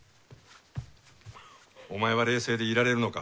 お前は冷静でいられるのか。